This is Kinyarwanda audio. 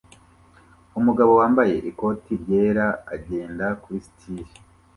Umugabo wambaye ikoti ryera agenda kuri stil